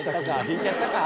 引いちゃったか？